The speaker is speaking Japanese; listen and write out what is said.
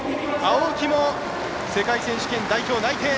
青木も世界選手権代表内定。